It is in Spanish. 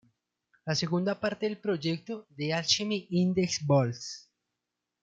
La segunda parte del proyecto, "The Alchemy Index Vols.